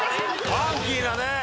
ファンキーだね。